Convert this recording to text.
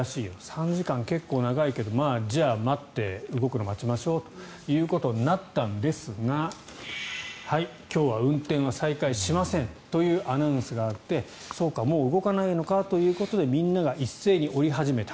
３時間、結構長いけどじゃあ待って動くのを待ちましょうということになったんですが今日は運転は再開しませんというアナウンスがあってそうかもう動かないのかということでみんなが一斉に降り始めた。